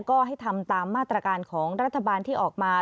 ก็ให้ทำตามมาตรการของรัฐบาลที่ออกมา